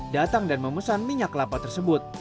datang dan memesan minyak kelapa tersebut